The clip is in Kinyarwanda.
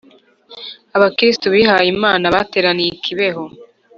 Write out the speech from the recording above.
Abakirisitu bihaye Imana bateraniye I kibeho